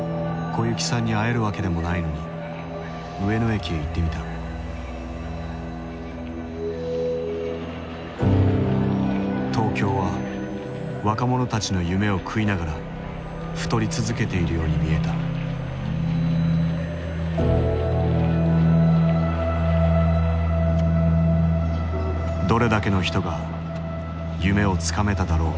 小雪さんに会えるわけでもないのに上野駅へ行ってみた東京は若者たちの夢を食いながら太り続けているように見えたどれだけの人が夢をつかめただろうか。